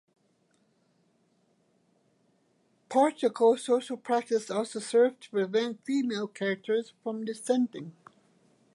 Patriarchal social practice also serve to prevent female characters from dissenting.